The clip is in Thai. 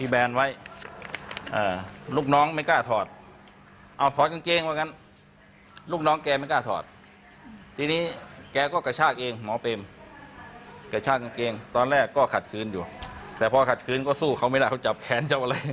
แบบที่พยานและพยานขึ้น